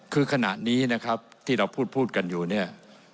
คือขณะนี้นะครับที่เราพูดกันอยู่เนี่ย